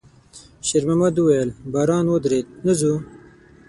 شېرمحمد وويل: «باران ودرېد، نه ځو؟»